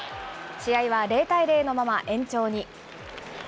試合は０対０のまま延長に。